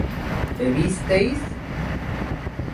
¿bebisteis?